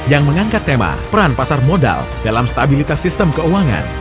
yang mengangkat tema peran pasar modal dalam stabilitas sistem keuangan